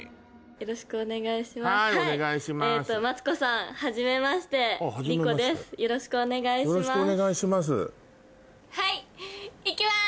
よろしくお願いします。